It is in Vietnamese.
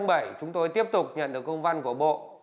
ngày ba mươi một tháng bảy chúng tôi tiếp tục nhận được công văn của bộ